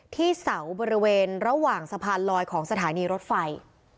ที่เสาบริเวณระหว่างสะพานลอยของสถานีรถไฟ